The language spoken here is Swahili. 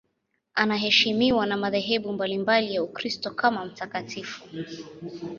Anaheshimiwa na madhehebu mbalimbali ya Ukristo kama mtakatifu.